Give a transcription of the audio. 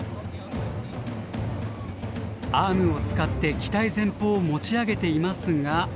アームを使って機体前方を持ち上げていますが。